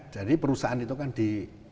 jadi perusahaan itu kan di